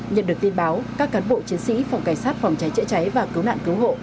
nhận được tin báo các cán bộ chiến sĩ phòng cảnh sát phòng cháy chữa cháy và cứu nạn cứu hộ